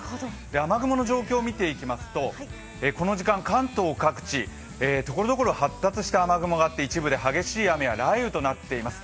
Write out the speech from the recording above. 雨雲の状況を見ていきますと、この時間、関東各地所々発達した雨雲があって、一部で激しい雨や雷雨となっています。